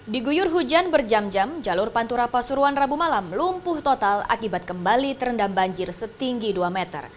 di guyur hujan berjam jam jalur pantura pasuruan rabu malam lumpuh total akibat kembali terendam banjir setinggi dua meter